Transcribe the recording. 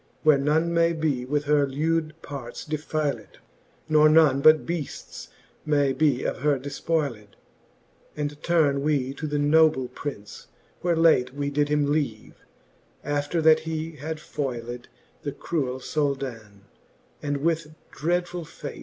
Where none may be with her lewd parts defyled, Nor none but beafts may be of her defpoyled : And turne we to the noble Prince, where late We did him leave, after that he had foyled The cruell Souldan, and with dreadful! fate.